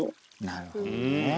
なるほどねぇ。